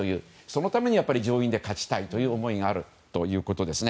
そのためには上院で勝ちたいという思いがあるということです。